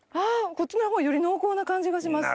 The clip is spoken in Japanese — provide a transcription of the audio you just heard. こっちの方がより濃厚な感じがします。